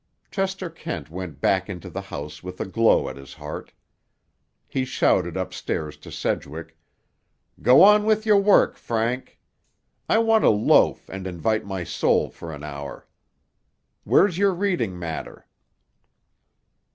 Chester Kent went back into the house with a glow at his heart. He shouted up stairs to Sedgwick, "Go on with your work, Frank. I want to loaf and invite my soul for an hour. Where's your reading matter?"